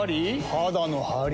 肌のハリ？